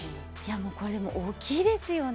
これも大きいですよね